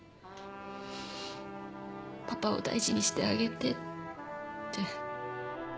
パパを大事にしてあげてって。